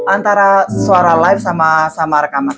antara suara live sama rekaman